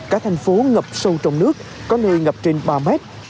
cả thành phố ngập sâu trong nước có nơi ngập trên ba mét